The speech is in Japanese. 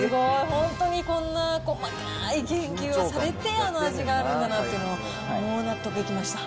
本当にこんな細かい研究をされて、あの味があるんだなっていうのが、もう、納得いきました。